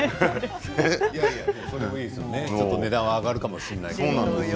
ちょっと値段は上がるかもしれませんけどね。